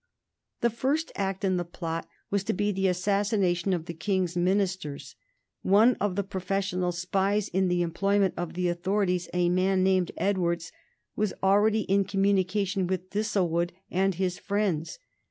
The first act in the plot was to be the assassination of the King's ministers. One of the professional spies in the employment of the authorities, a man named Edwards, was already in communication with Thistlewood and his friends.